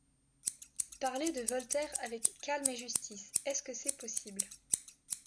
Parler de Voltaire avec calme et justice, est-ce que c’est possible ?